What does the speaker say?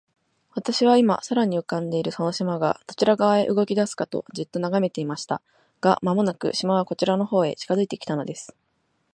私は、今、空に浮んでいるその島が、どちら側へ動きだすかと、じっと眺めていました。が、間もなく、島はこちらの方へ近づいて来たのです。